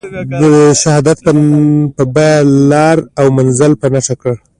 د شهادت په بیه لار او منزل په نښه کړ.